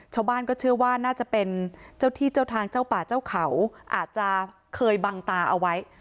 ชาวบ้านก็เชื่อว่าน่าจะเป็นเจ้าที่เจ้าทางเจ้าป่าเจ้าเขาอาจจะเคยบังตาเอาไว้